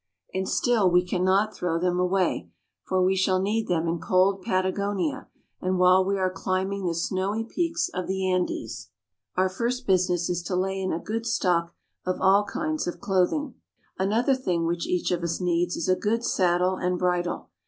And still we cannot throw them away, for we shall need them in cold Patagonia and while we are climbing the snowy peaks of the Andes. No ; our first business is to lay in a good stock of all kinds of clothing. Another thing which each of us needs is a good saddle and bridle.